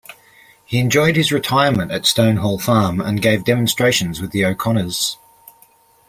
He enjoyed his retirement at Stonehall Farm, and gave demonstrations with the O'Connors.